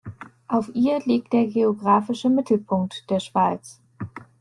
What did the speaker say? Auf ihr liegt der geografische Mittelpunkt der Schweiz.